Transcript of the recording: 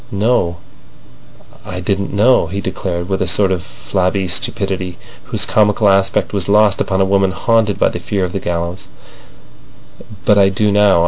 "No; I didn't know," he declared, with a sort of flabby stupidity, whose comical aspect was lost upon a woman haunted by the fear of the gallows, "but I do now.